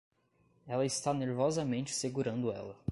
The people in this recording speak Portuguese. Ela está nervosamente segurando ela